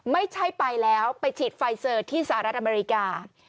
ไม่ใช่ไปแล้วไปฉีดไฟเซอร์ที่สหรัฐอเมริกา